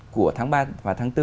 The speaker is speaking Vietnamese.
của tháng ba và tháng bốn